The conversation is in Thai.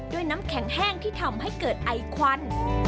น้ำแข็งแห้งที่ทำให้เกิดไอควัน